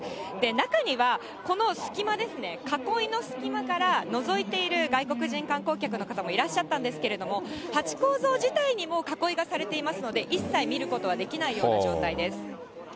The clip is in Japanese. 中には、この隙間ですね、囲いの隙間からのぞいている外国人観光客の方もいらっしゃったんですけれども、ハチ公像自体にもう囲いがされていますので、一切見ることはできないような状態です。